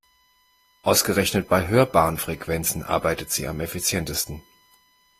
Ausgerechnet bei hörbaren Frequenzen arbeitet sie am effizientesten.